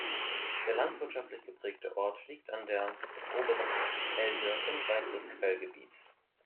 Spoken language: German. Der landwirtschaftlich geprägte Ort liegt an der oberen Elde unweit des Quellgebietes.